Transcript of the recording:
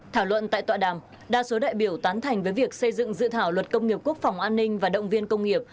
thảo luận tại tọa đàm đa số đại biểu tán thành với việc xây dựng dự thảo luật công nghiệp quốc phòng an ninh và động viên công nghiệp